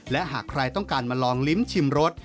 และหากใครต้องการมาลองลิ้มชิมรส